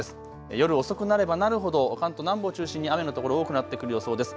夜遅くなればなるほど関東南部を中心に雨の所、多くなってくる予想です。